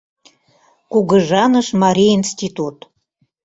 Кугыжаныш марий институт.